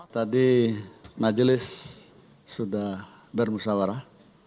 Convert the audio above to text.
tadi majelis sudah bermusawarah